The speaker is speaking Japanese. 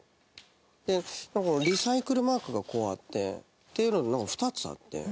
でなんかリサイクルマークがこうあってっていうのがなんか２つあって。